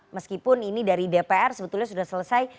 meskipun ini dari dpr sebetulnya sudah selesai